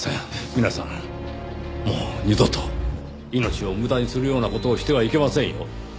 皆さんもう二度と命を無駄にするような事をしてはいけませんよ。